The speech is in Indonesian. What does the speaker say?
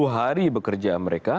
enam puluh hari bekerja mereka